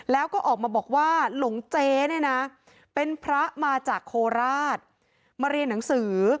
แล้วก็ออกมาบอกว่าหลงเจ๊เนี่ยนะเป็นพระมาจากโคราชมาเรียนหนังสือ